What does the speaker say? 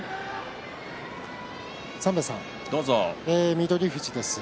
翠富士です。